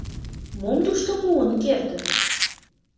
Мом тушто муын кертыт?